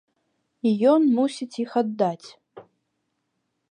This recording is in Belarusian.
І ён мусіць іх аддаць.